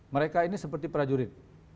mereka ini seperti prajurit